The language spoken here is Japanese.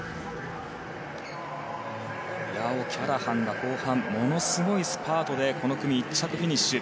オキャラハンが後半ものすごいスパートでこの１組、１着フィニッシュ。